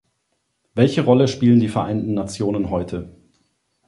Welche Rolle spielen die Vereinten Nationen heute?